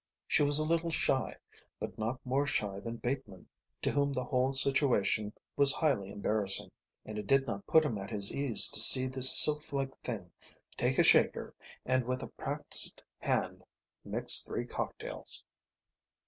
She was a little shy, but not more shy than Bateman, to whom the whole situation was highly embarrassing, and it did not put him at his ease to see this sylph like thing take a shaker and with a practised hand mix three cocktails.